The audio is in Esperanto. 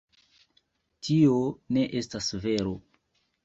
Tio ne estas vero.